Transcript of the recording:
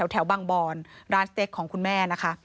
แถวบางบอนร้านสเต็กของคุณแม่นะคะ